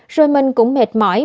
rồi mình cũng mệt mỏi